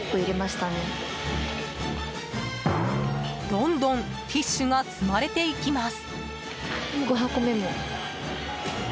どんどんティッシュが積まれていきます。